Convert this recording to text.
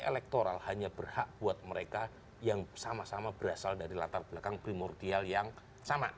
elektoral hanya berhak buat mereka yang sama sama berasal dari latar belakang primordial yang sama